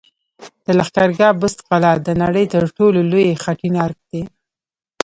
د لښکرګاه بست قلعه د نړۍ تر ټولو لوی خټین ارک دی